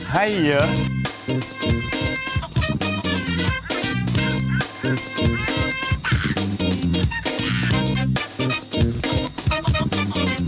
ให้เยอะ